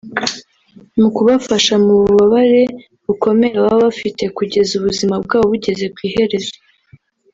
mu kubafasha mu bubabare bukomeye baba bafite kugeza ubuzima bwabo bugeze ku iherezo